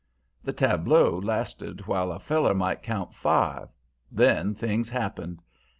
"The tableau lasted while a feller might count five; then things happened.